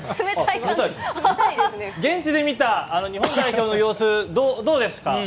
現地で見た日本代表の様子どうですか？